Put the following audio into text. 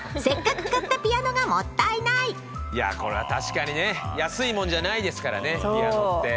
いやあこれは確かにね安いもんじゃないですからねピアノって。